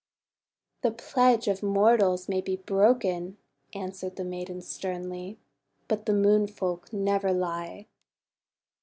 'The pledge of mortals may be broken," answered the maiden sternly, "but the Moon Folk never lie."